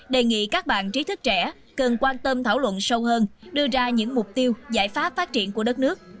đề nghị các bạn trí thức trẻ cần quan tâm thảo luận sâu hơn đưa ra những mục tiêu giải pháp phát triển của đất nước